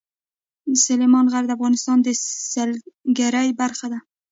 سلیمان غر د افغانستان د سیلګرۍ برخه ده.